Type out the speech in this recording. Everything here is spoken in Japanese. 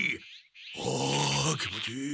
あ気持ちいい！